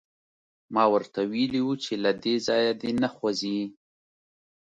ما ورته ویلي وو چې له دې ځایه دې نه خوځي